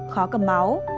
khó cầm máu